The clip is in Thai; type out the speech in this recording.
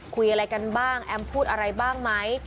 คุยอะไรกันบ้างแอมพูดอะไรบ้างไหม